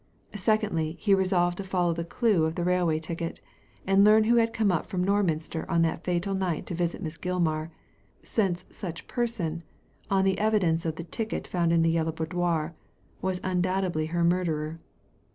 Secondly, he resolved to follow the clue of the railway ticket, and learn who had come up from Norminster on that fatal night to visit Miss Gilmar, since such person — on the evidence of the ticket found in the Yellow Boudoir — was undoubtedly her murderer.